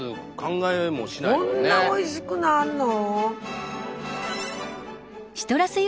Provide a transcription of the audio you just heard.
こんなおいしくなんの。